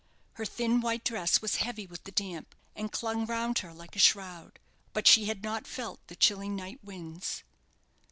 Her thin, white dress was heavy with the damp, and clung round her like a shroud. But she had not felt the chilling night winds.